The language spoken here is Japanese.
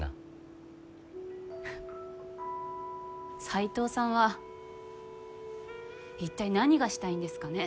斎藤さんは一体何がしたいんですかね。